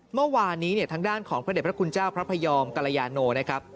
เมื่อวานนี้เนี่ยทางด้านของพระเด็จพระคุณเจ้าพระพยอมกรยาโนนะครับ